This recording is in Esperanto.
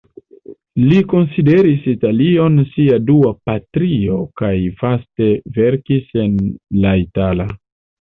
Li konsideris Italion sia dua patrio kaj vaste verkis en la itala.